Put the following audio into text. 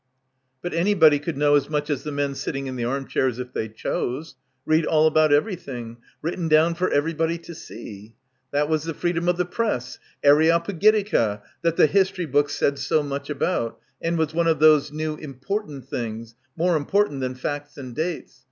But anybody could know as much as the men sitting in the armchairs if they chose; read all about everything, written down for every body to see. That was the freedom of the Press — Areopagitica, that the history books said so much about and was one of those new important things, more important than facts and dates.